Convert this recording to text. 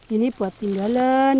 ini buat tinggalan